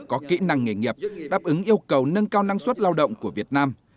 có kỹ năng nghề nghiệp đáp ứng yêu cầu nâng cao năng suất lao động của việt nam